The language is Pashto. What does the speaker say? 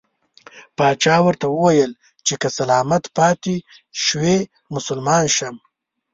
پاچا ورته وویل چې که سلامت پاته شوې مسلمان شم.